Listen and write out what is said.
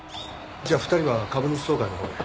じゃあ２人は株主総会のほうへ。